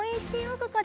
ここで。